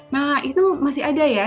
nah itu masih ada ya